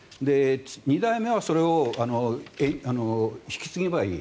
２代目はそれを引き継げばいい。